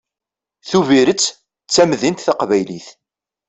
Tubiret d tamdint taqbaylit.